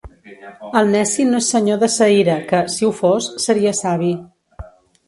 El neci no és senyor de sa ira, que, si ho fos, seria savi.